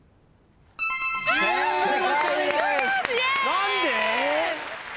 何で！？